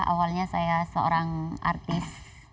awalnya saya seorang artis